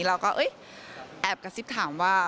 เราก็แอบกระซิบถามว่า